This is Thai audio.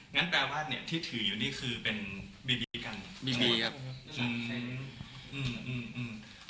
งั้นแปลว่าเนี้ยที่ถืออยู่นี่คือเป็นบีบีกันบีบีครับอืมอืม